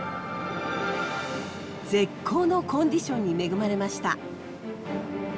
絶好のコンディションに恵まれました。